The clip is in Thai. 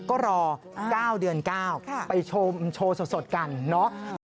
ก็รอ๙เดือน๙ไปชมโชว์สดกันเนาะ